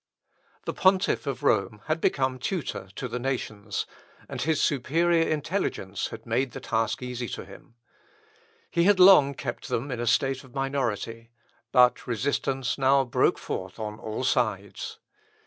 The Pontiff of Rome had become tutor to the nations, and his superior intelligence had made the task easy to him. He had long kept them in a state of minority, but resistance now broke forth on all sides.